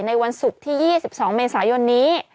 วันศุกร์ที่๒๒เมษายนนี้